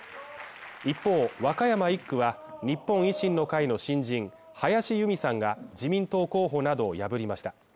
一方和歌山１区は日本維新の会の新人林佑美さんが自民党候補などを破りました。